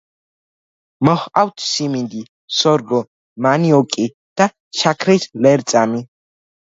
მოჰყავთ სიმინდი, სორგო, მანიოკი და შაქრის ლერწამი.